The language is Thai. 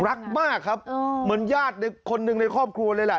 รักมากครับเหมือนญาติคนหนึ่งในครอบครัวเลยแหละ